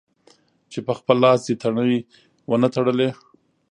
چې په خپل لاس دې تڼۍ و نه تړلې.